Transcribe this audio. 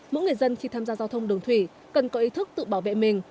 mỗi người dân khi tham gia giao thông đường thủy cần có ý thức tự bảo vệ mình